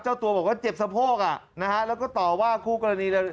เจ้าตัวบอกว่าเจ็บสะโพกอ่ะนะฮะแล้วก็ต่อว่าคู่กรณีเลย